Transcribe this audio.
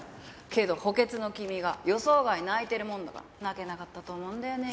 けど補欠の君が予想外に泣いてるもんだから泣けなかったと思うんだよね。